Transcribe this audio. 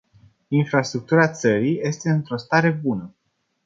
Infrastructura țării este într-o stare bună.